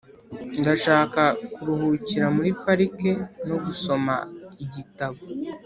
] ndashaka kuruhukira muri parike no gusoma igitabo.